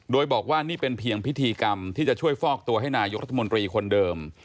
โดยบอกว่านี่เป็นเพียงพิธีกรรมที่จะช่วยฟอกตัวให้นายกรัฐมนตรีคนเดิม